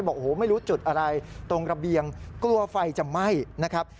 บอกโอ้โหไม่รู้จุดอะไรตรงระเบียงกลัวไฟจะไหม้นะครับ